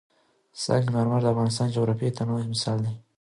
سنگ مرمر د افغانستان د جغرافیوي تنوع مثال دی.